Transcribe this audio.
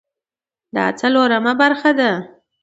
دا څلورمه برخه ده